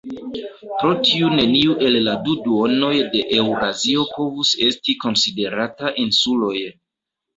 Pro tiu neniu el la du duonoj de Eŭrazio povus esti konsiderata insuloj.